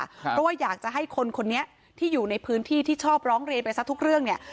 เพราะว่าอยากจะให้คนคนนี้ที่อยู่ในพื้นที่ที่ชอบร้องเรียนไปซะทุกเรื่องเนี่ย